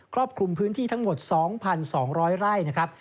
รอบคลุมพื้นที่ทั้งหมด๒๒๐๐ไร่นะครับ